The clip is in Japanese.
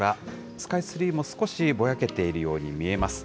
スカイツリーも少しぼやけているように見えます。